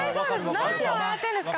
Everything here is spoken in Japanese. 何で笑ってるんですか？